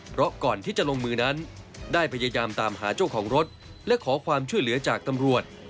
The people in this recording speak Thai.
เพราะก่อนที่จะลงมือนั้นได้พยายามตามหาเจ้าของรถและขอความช่วยเหลือจากตำรวจ